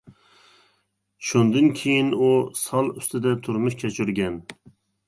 شۇندىن كېيىن ئۇ، سال ئۈستىدە تۇرمۇش كەچۈرگەن.